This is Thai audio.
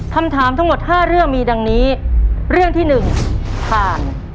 คำถามทั้งหมด๕เรื่องมีดังนี้เรื่องที่๑ผ่าน